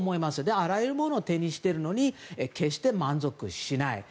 あらゆるものを手にしているのに決して満足しない。